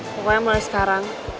pokoknya mulai sekarang